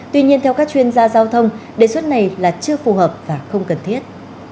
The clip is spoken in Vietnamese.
tuy nhiên theo các chuyên gia giao thông đề xuất này là chưa phù hợp và không cần thiết